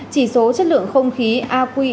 chỉ số chất lượng không khí aqi